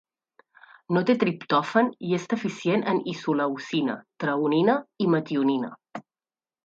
No té triptòfan i és deficient en isoleucina, treonina, i metionina.